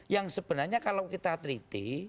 yang sebenarnya kalau kita teliti